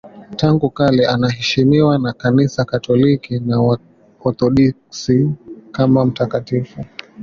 Tangu kale anaheshimiwa na Kanisa Katoliki na Waorthodoksi kama mtakatifu.